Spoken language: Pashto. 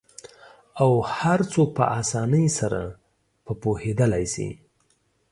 او هرڅوک په آسانۍ سره په پوهیدالی سي